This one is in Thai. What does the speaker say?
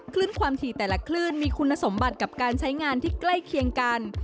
คลื่นความถี่แต่ละคลื่นมีคุณสมบัติกับการใช้งานที่ใกล้เคียงกัน